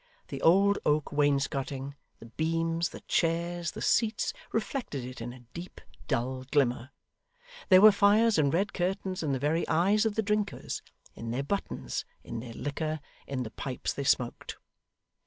The old oak wainscoting, the beams, the chairs, the seats, reflected it in a deep, dull glimmer. There were fires and red curtains in the very eyes of the drinkers, in their buttons, in their liquor, in the pipes they smoked.